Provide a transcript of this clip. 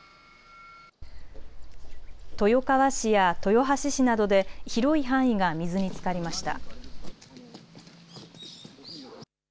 豊川市や豊橋市などで広い範囲が水につかりました。